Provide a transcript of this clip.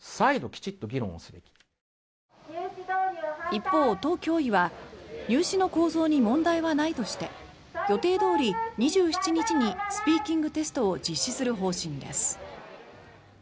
一方、都教委は入試の構造に問題はないとして予定どおり２７日にスピーキングテストを実施する方針です。